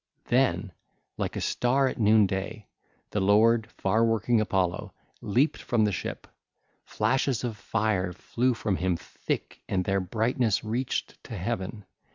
(ll. 440 451) Then, like a star at noonday, the lord, far working Apollo, leaped from the ship: flashes of fire flew from him thick and their brightness reached to heaven.